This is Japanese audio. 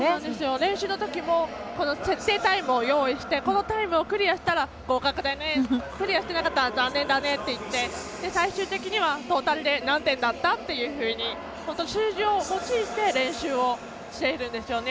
練習のときも設定タイムを用意してこのタイムをクリアしたら合格だねと言ってクリアしてなかったら残念だねって言って最終的にはトータルで何点だったと本当に数字を用いて練習をしているんですね。